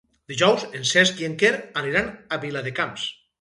Dijous en Cesc i en Quer aniran a Viladecans.